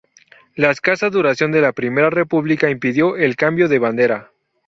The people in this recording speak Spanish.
La escasa duración de la Primera República impidió el cambio de bandera.